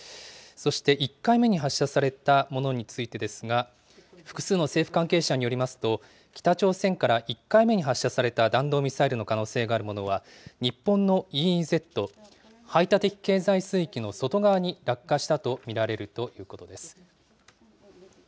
そして、１回目に発射されたものについてですが、複数の政府関係者によりますと、北朝鮮から１回目に発射された弾道ミサイルの可能性があるものは、日本のＥＥＺ・排他的経済水域の外側に落下したと見られるということです。